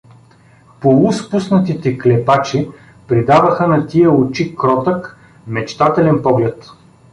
Полуспуснатите клепачи придаваха на тия очи кротък, мечтателен поглед.